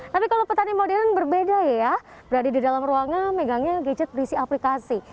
tapi kalau petani modern berbeda ya berada di dalam ruangan megangnya gadget berisi aplikasi